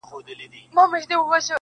له موږکه ځان ورک سوی دی غره دی,